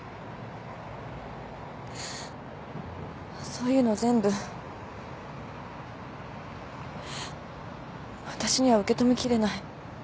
そういうの全部わたしには受け止めきれない。